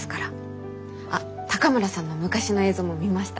あっ高村さんの昔の映像も見ました。